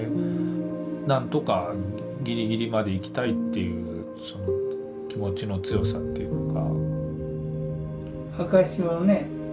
「なんとかギリギリまで行きたい」っていうその気持ちの強さっていうか。